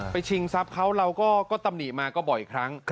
ไปชิงทรัพย์เค้าเราก็ตำหนีมาก็บอกอีกครั้ง